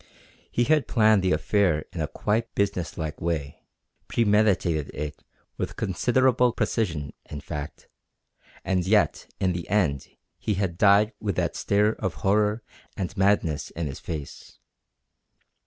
He had planned the affair in a quite business like way. Premeditated it with considerable precision, in fact, and yet in the end he had died with that stare of horror and madness in his face.